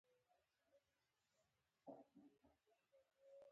نه یې تایید کومه ګټه لرلای شي.